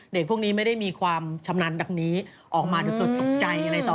เด็กพวกนี้ไม่ได้มีความชำนาญดังนี้ออกมาหรือเกิดตกใจอะไรต่อ